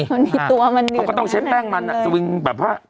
มันมีตัวมันเหนื่อยตรงนั้นเลยต้องใช้แป้งมันสวิงแบบว่า